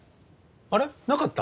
あれっ？なかった？